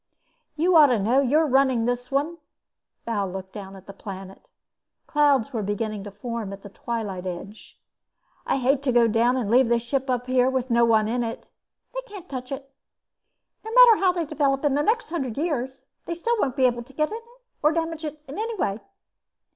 "You ought to know. You're running this one." Bal looked down at the planet. Clouds were beginning to form at the twilight edge. "I hate to go down and leave the ship up here with no one in it." "They can't touch it. No matter how they develop in the next hundred years they still won't be able to get in or damage it in any way."